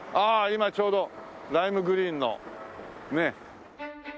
今ちょうどライムグリーンのねえ。